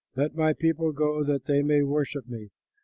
Let my people go that they may worship me.